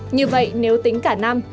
như vậy nếu tính cả năm